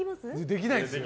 できないですよ。